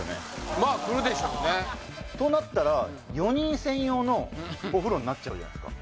まあくるでしょうねとなったら４人専用のお風呂になっちゃうじゃないですか